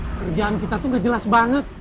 eh kerjaan kita tuh gak jelas banget